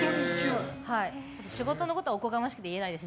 仕事のことはおこがましくて言えないです。